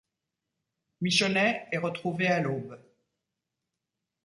Michonnet est retrouvé à l'aube.